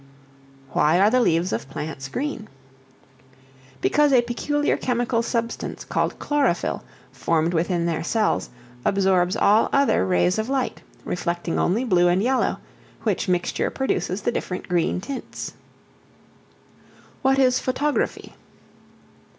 Why are the leaves of plants green? Because a peculiar chemical substance called chlorophyl, formed within their cells, absorbs all other rays of light, reflecting only blue and yellow which mixture produces the different green tints. What is Photography?